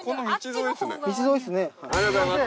ありがとうございます。